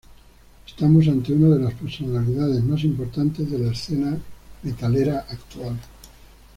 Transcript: Estamos ante una de las personalidades más importantes de la escena metalera actual.